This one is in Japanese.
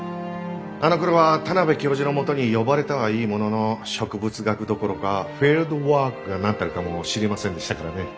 あのころは田邊教授のもとに呼ばれたはいいものの植物学どころかフィールドワークが何たるかも知りませんでしたからね。